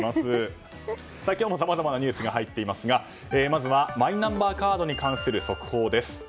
今日もさまざまなニュースが入っていますがまず、マイナンバーカードに関する速報です。